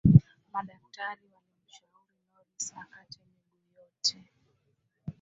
madaktari walimshauri norris akate miguu yote